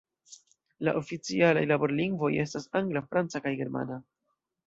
La oficialaj laborlingvoj estas angla, franca kaj germana.